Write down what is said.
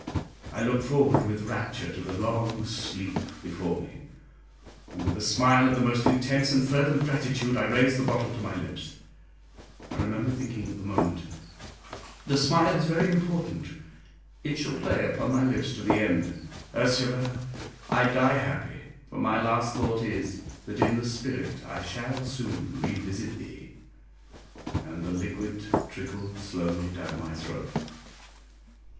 I looked forward with rapture to the long sleep before me, and with a smile of the most intense and fervent gratitude I raised the bottle to my lips. I remember thinking at the moment, "The smile is very important it shall play upon my lips to the end. Ursula, I die happy, for my last thought is, that in the spirit I shall soon revisit thee," and the liquid trickled slowly down my throat.